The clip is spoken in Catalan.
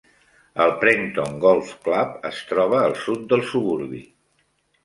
El Prenton Golf Club es troba al sud del suburbi.